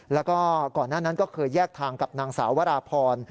แล้วก็ก่อนหน้านั้นก็เคยแยกทางกับนางสาววราพร